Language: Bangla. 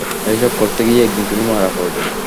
এসব করতে গিয়ে একদিন তুমি মারা পড়বে।